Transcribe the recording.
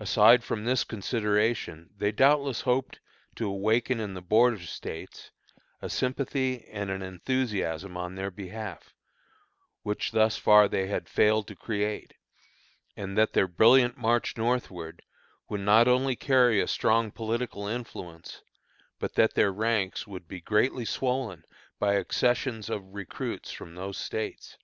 Aside from this consideration they doubtless hoped to awaken in the Border States a sympathy and an enthusiasm on their behalf, which thus far they had failed to create; and that their brilliant march northward would not only carry a strong political influence, but that their ranks would be greatly swollen by accessions of recruits from those States.